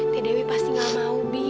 teh dewi pasti gak mau bibi